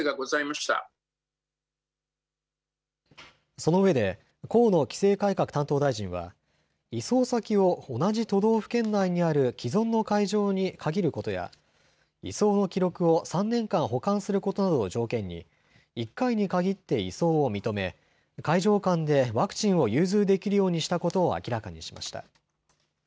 そのうえで河野規制改革担当大臣は移送先を同じ都道府県内にある既存の会場に限ることや移送の記録を３年間保管することなどを条件に１回にかぎって移送を認め会場間でワクチンを融通できるようにしたことを明らかにしました。